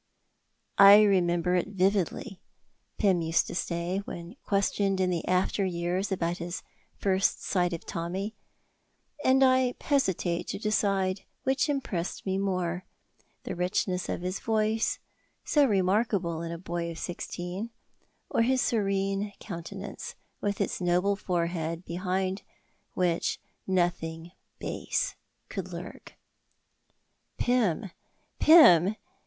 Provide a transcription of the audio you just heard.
"I remember it vividly," Pym used to say when questioned in the after years about this his first sight of Tommy, "and I hesitate to decide which impressed me more, the richness of his voice, so remarkable in a boy of sixteen, or his serene countenance, with its noble forehead, behind which nothing base could lurk." Pym, Pym!